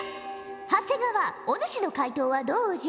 長谷川お主の解答はどうじゃ？